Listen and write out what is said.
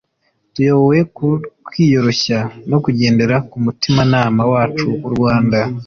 tuyobowe ku kwiyoroshya no kugendera ku mutimanama wacu U Rwanda